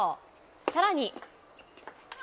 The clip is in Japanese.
さらに。